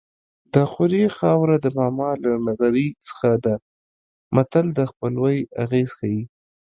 د خوریي خاوره د ماما له نغري څخه ده متل د خپلوۍ اغېز ښيي